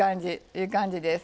いい感じです。